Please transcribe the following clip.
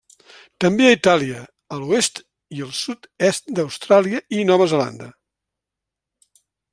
També a Itàlia, a l'oest i el sud-est d'Austràlia, i Nova Zelanda.